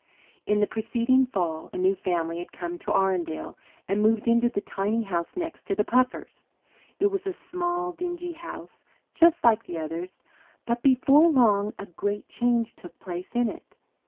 In the preceding fall a new family had come to Arundel and moved into the tiny house next to the Puffers'. It was a small, dingy house, just like the others, but before long a great change took place in it.